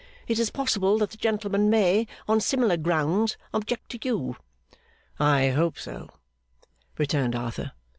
It is possible that the gentleman may, on similar grounds, object to you.' 'I hope so,' returned Arthur.